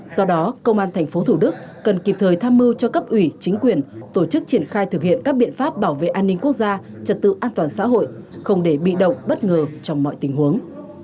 do đó công an tp thủ đức cần kịp thời tham mưu cho cấp ủy chính quyền tổ chức triển khai thực hiện các biện pháp bảo vệ an ninh quốc gia trật tự an toàn xã hội không để bị động bất ngờ trong mọi tình huống